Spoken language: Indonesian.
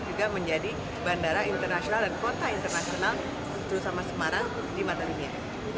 juga menjadi bandara internasional dan kota internasional untuk sama semarang di mata dunia